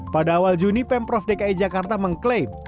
pada awal juni pemprov dki jakarta mengklaim